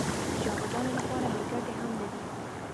د شاګردانو لپاره بې ګټې هم نه دي.